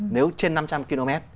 nếu trên năm trăm linh km